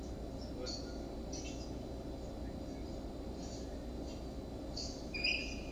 Cette franchise de hockey sur glace évolue dans la Ligue nationale de hockey.